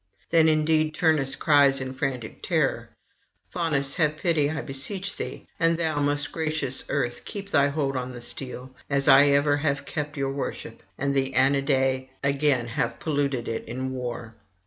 Then indeed Turnus cries in frantic terror: 'Faunus, have pity, I beseech thee! and thou, most gracious Earth, keep thy hold on the steel, as I ever have kept your worship, and the Aeneadae again have polluted it in war.'